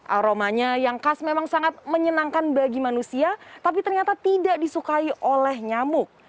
aromanya yang khas memang sangat menyenangkan bagi manusia tapi ternyata tidak disukai oleh nyamuk